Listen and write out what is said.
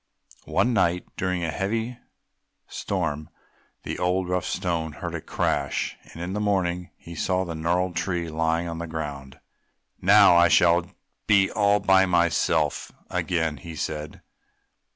One night during a heavy storm the old, rough Stone heard a crash, and in the morning he saw the gnarled tree lying upon the ground. "Now I shall be all by myself again!" he said.